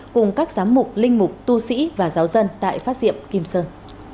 cùng các giám mục linh mục tu sĩ và giáo dân tại phát diệm kim sơn